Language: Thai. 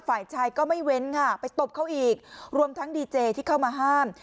ฝ่ายชายก็ไม่เว้นค่ะไปตบเขาอีกรวมทั้งดีเจที่เข้ามาห้าม